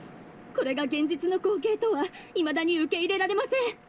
これが現実の光景とはいまだに受け入れられません。